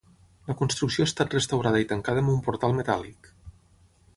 La construcció ha estat restaurada i tancada amb un portal metàl·lic.